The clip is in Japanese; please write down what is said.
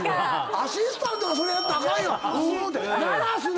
アシスタントがそれやったらあかん！